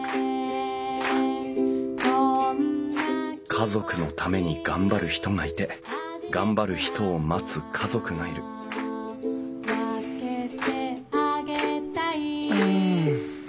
家族のために頑張る人がいて頑張る人を待つ家族がいるうん。